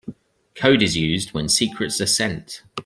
Code is used when secrets are sent.